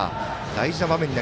大事な場面。